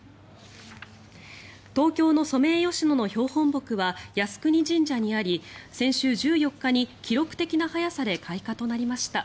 東京のソメイヨシノの標本木は靖国神社にあり先週１４日に記録的な早さで開花となりました。